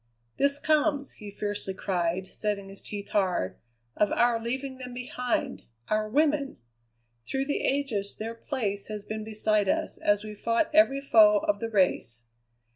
"This comes," he fiercely cried, setting his teeth hard, "of our leaving them behind our women! Through the ages their place has been beside us as we fought every foe of the race.